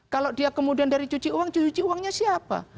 kalau dia kemudian dari cuci uang cuci uangnya siapa